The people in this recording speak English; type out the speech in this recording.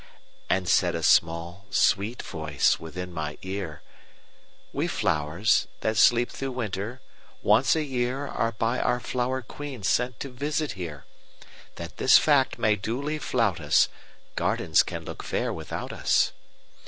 And said a small, sweet voice within my ear:"We flowers, that sleep through winter, once a yearAre by our flower queen sent to visit here, That this fact may duly flout us,—Gardens can look fair without us.